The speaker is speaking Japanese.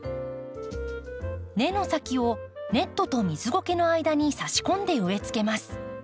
根の先をネットと水ごけの間に差し込んで植えつけます。